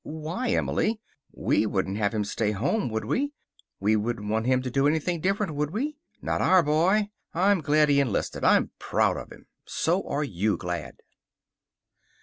"Why, Emily! We wouldn't have him stay home, would we? We wouldn't want him to do anything different, would we? Not our boy. I'm glad he enlisted. I'm proud of him. So are you glad."